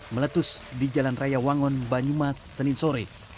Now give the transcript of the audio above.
meletus di jalan raya wangon banyumas senin sore